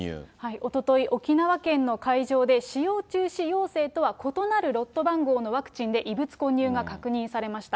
おととい、沖縄県の会場で使用中止要請とは異なるロット番号のワクチンで異物混入が確認されました。